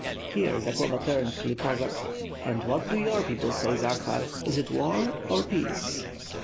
'' Here Zagloba turned to the Cossack. "And what do your people say, Zakhar? Is it war or peace?"